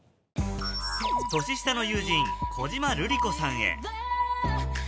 年下の友人小島瑠璃子さんへ